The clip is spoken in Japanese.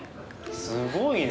すごいね。